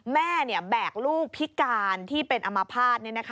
แบกลูกพิการที่เป็นอมภาษณ์